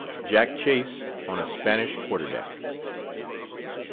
JACK CHASE ON A SPANISH QUARTER DECK.